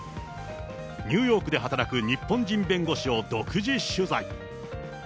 ニューヨークで働く日本人弁護士を独自取材。